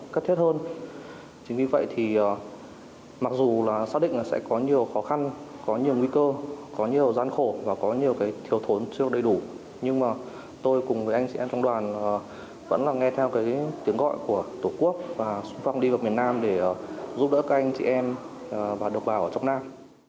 cấp thiết hơn chính vì vậy thì mặc dù là xác định là sẽ có nhiều khó khăn có nhiều nguy cơ có nhiều gian khổ và có nhiều cái thiều thốn chưa đầy đủ nhưng mà tôi cùng với anh chị em trong đoàn vẫn là nghe theo cái tiếng gọi của tổ quốc và sung phong đi vào miền nam để giúp đỡ các anh chị em và độc bào ở trong nam